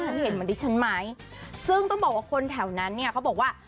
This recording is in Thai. เห็นเหมือนดิฉันไหมซึ่งต้องบอกว่าคนแถวนั้นเนี่ยเขาบอกว่า